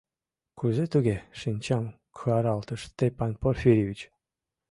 — Кузе-туге?! — шинчам каралтыш Степан Порфирьевич.